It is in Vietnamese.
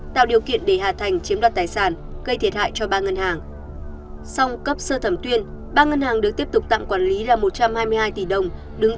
vậy tòa xác định tư cách là bị hại của ba ngân hàng là có căn cứ